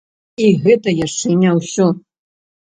І гэта яшчэ не ўсё.